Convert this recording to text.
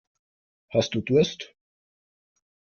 Hast du Durst?